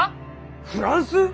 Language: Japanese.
フランス？